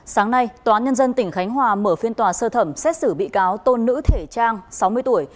sáng nay tòa án nhân dân tỉnh khánh hòa mở phiên tòa sơ thẩm xét xử bị cáo tôn nữ thể trang sáu mươi tuổi